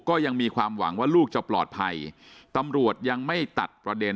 ก็ยังมีความหวังว่าลูกจะปลอดภัยตำรวจยังไม่ตัดประเด็น